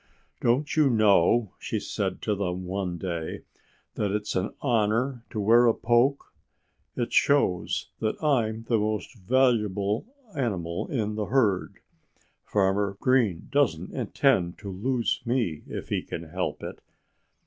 "Don't you know," she said to them one day, "that it's an honor to wear a poke? It shows that I'm the most valuable animal in the herd. Farmer Green doesn't intend to lose me, if he can help it."